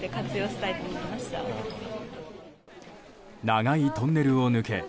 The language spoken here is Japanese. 長いトンネルを抜け